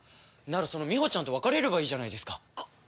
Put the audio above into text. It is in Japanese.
ならそのみほちゃんと別れればいいじゃないですか。